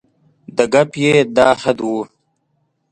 د ګپ یې دا حد و.